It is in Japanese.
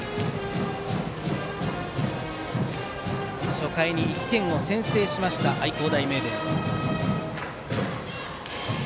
初回に１点を先制しました愛工大名電。